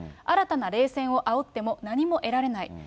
新たな冷戦をあおっても何も得られない。